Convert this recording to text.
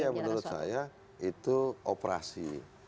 ya menurut saya itu operasi